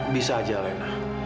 bisa aja lena